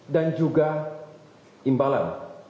dan juga imbalan